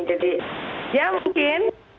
jadi ya mungkin